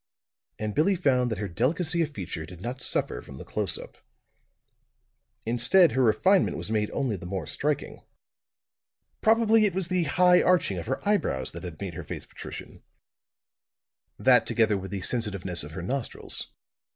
And Billie found that her delicacy of feature did not suffer from the close up. Instead, her refinement was made only the more striking. Probably it was the high arching of her eyebrows that had made her face patrician; that, together with the sensitiveness of her nostrils.